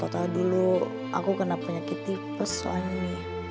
tau tau dulu aku kena penyakit tipes soalnya nih